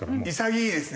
潔いですね。